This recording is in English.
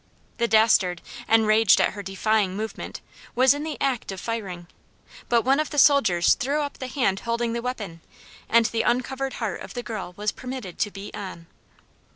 The dastard, enraged at her defying movement, was in the act of firing, but one of the soldiers threw up the hand holding the weapon, and the uncovered heart of the girl was permitted to beat on.